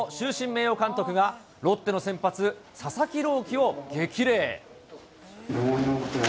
名誉監督がロッテの先発、佐々木朗希を激励。